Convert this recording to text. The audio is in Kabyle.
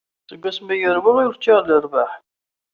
Seg wasmi i yurweɣ, ur ččiɣ lerbaḥ.